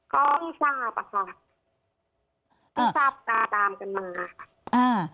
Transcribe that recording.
ก็ไม่ทราบค่ะไม่ทราบตาดามกันมา